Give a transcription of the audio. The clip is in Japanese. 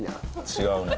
違うね。